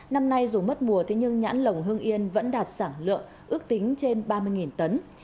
năm nay dù mất mùa thế nhưng nhãn lồng hưng yên vẫn đạt sản lượng ước tính trên ba mươi tấn